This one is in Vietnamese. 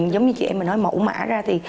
giống như chị em mình nói mẫu mã ra thì